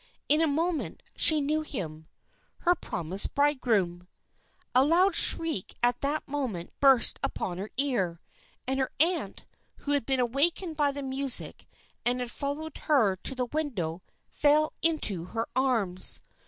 In a moment she knew him her promised bridegroom! A loud shriek at that moment burst upon her ear, and her aunt, who had been awakened by the music and had followed her to the window, fell into her arms.